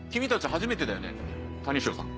初めてだよね谷ショーさん。